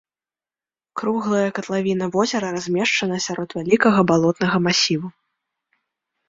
Круглая катлавіна возера размешчана сярод вялікага балотнага масіву.